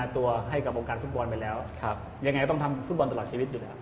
ตัวให้กับวงการฟุตบอลไปแล้วยังไงก็ต้องทำฟุตบอลตลอดชีวิตอยู่แล้ว